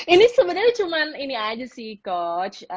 ini sebenarnya cuma ini aja sih coach